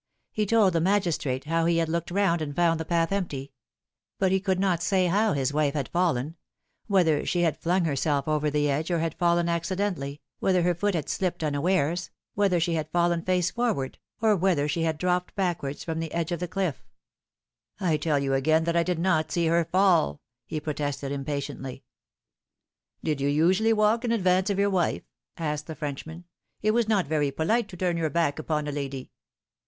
He told the magistrate how he had looked round and found the path empty ; but he could not say how his wife had fallen whether she had flung herself over tha edge or had fallen accidentally, whether her foot had slipped unawares, whether she had fallen face forward, or whether she had dropped back wards from the edge of the cliff. Darkness. 275 " I tell you again that I did not see her fall," he protested impatiently. " Did you usually walk in advance of your wife ?" asked the Frenchman. " It was not very polite to turn your back upon a lady."